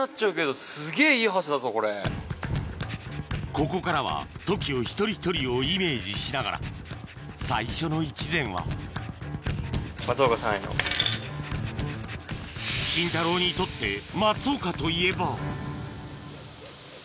ここからはＴＯＫＩＯ一人一人をイメージしながら最初の一膳はシンタローにとってハハハハハハ。